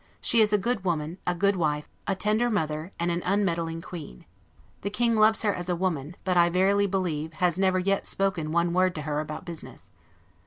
She is a good woman, a good wife, a tender mother; and an unmeddling Queen. The King loves her as a woman; but, I verily believe, has never yet spoke one word to her about business.